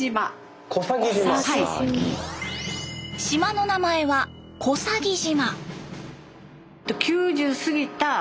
島の名前は小佐木島。